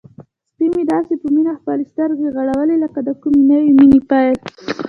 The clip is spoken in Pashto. سپی مې داسې په مینه خپلې سترګې غړوي لکه د کومې نوې مینې پیل.